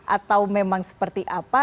atau memang seperti apa